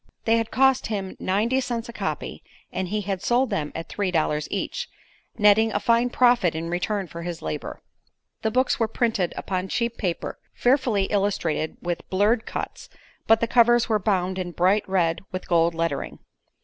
They had cost him ninety cents a copy and he had sold them at three dollars each, netting a fine profit in return for his labor. The books were printed upon cheap paper, fearfully illustrated with blurred cuts, but the covers were bound in bright red with gold lettering.